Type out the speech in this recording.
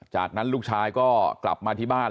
จากนั้นลูกชายก็กลับมาที่บ้าน